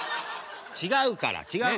違うから違うから。